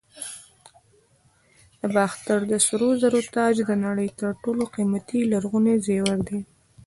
د باختر د سرو زرو تاج د نړۍ تر ټولو قیمتي لرغوني زیور دی